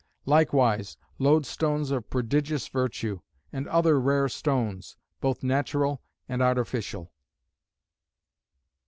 Likewise loadstones of prodigious virtue; and other rare stones, both natural and artificial.